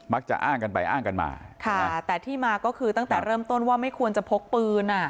อ้างกันไปอ้างกันมาค่ะแต่ที่มาก็คือตั้งแต่เริ่มต้นว่าไม่ควรจะพกปืนอ่ะ